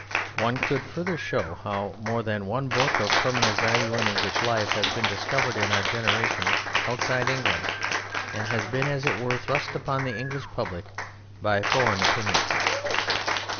One could further show how more than one book of permanent value in English life has been discovered in our generation outside England, and has been as it were thrust upon the English public by foreign opinion.